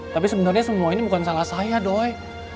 tapi sebenarnya semua ini bukan salah saya doy